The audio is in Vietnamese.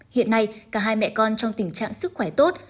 hiện nay cả hai mẹ con trong tình trạng sức khỏe tốt